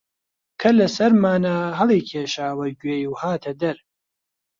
کەر لە سەرمانا هەڵیکێشاوە گوێی و هاتە دەر